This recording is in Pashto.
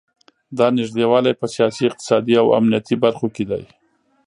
دا نږدې والی په سیاسي، اقتصادي او امنیتي برخو کې دی.